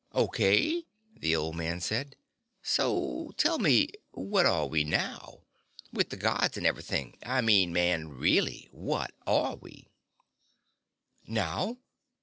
"Okay," the old man said. "So tell me what are we now? With the Gods and everything. I mean, man, really what are we?" "Now?"